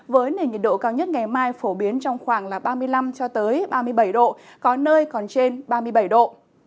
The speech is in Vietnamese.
với nền nhiệt độ cao nhất ngày mai phổ biến trong khoảng ba mươi năm ba mươi bảy độ có nơi còn trên ba mươi bảy độ